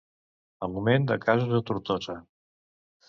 Augment de casos a Tortosa.